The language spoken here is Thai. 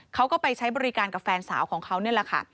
เขาก็ไปใช้บริการกับแฟนสาวของเขานี่แหละค่ะ